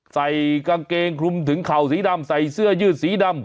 ใส่กางเกงคลุมถึงเข่าสีดำใส่เสื้อยืดสีดำ